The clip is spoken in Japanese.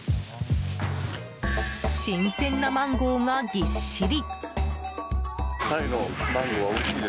新鮮なマンゴーがぎっしり。